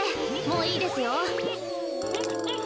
もういいですよ。